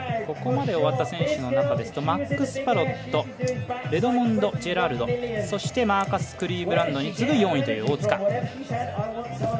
ここまで終わった選手の中ですとマックス・パロットレドモンド・ジェラルドそしてマーカス・クリーブランドに次ぐ１位という大塚。